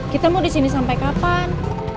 kita mau disini sampai kapan